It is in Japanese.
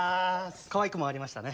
かわいく回りましたね。